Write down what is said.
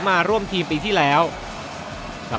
สนามโรงเรียนสมุทรสาคอนวุฒิชัย